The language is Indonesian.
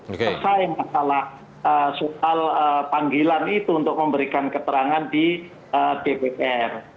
selesai masalah soal panggilan itu untuk memberikan keterangan di dpr